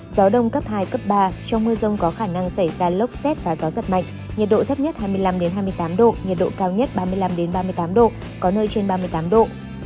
gió nhẹ trong mưa rông có khả năng xảy ra lốc xét và gió rất mạnh nhiệt độ thấp nhất hai mươi năm hai mươi tám độ nhiệt độ cao nhất ba mươi năm ba mươi tám độ có nơi trên ba mươi tám độ